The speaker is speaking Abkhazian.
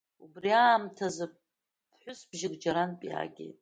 Убри аамҭаз ԥҳәыс бжьык џьарантә иаагеит.